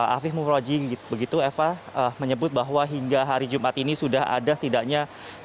afif muhrojing begitu eva menyebut bahwa hingga hari jumat ini sudah ada setidaknya